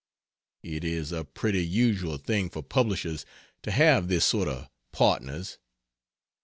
It is a pretty usual thing for publishers to have this sort of partners.